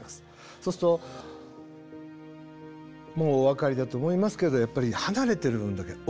そうするともうお分かりだと思いますけれどやっぱり離れてる分だけ遅いんですね。